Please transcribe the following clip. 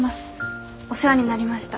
お世話になりました。